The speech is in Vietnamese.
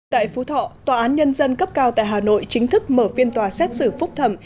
tại phú thọ tòa án nhân dân cấp cao tại hà nội chính thức mở phiên tòa xét xử phúc thẩm